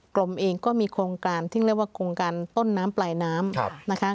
ลมเองก็มีโครงการที่เรียกว่าโครงการต้นน้ำปลายน้ำนะคะ